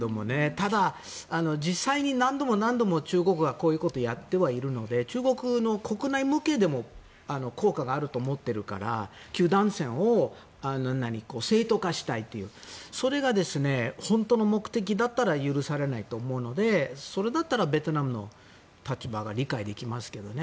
ただ、実際に何度も何度も中国はこういうことをやってはいるので中国の国内向けでも効果があると思っているから九段線を正当化したいというそれが本当の目的だったら許されないと思うのでそれだったらベトナムの立場が理解できますけどね。